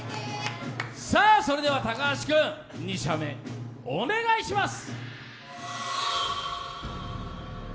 それでは高橋君、２射目お願いします。